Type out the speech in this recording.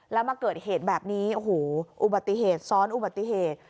แล้วมาเกิดเหตุแบบนี้โอ้โหอุบัติเหตุซ้อนอุบัติเหตุ